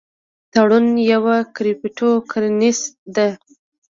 ټرون یوه کریپټو کرنسي ده